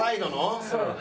そうね。